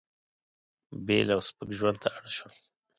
بېل او سپک ژوند ته اړ شول.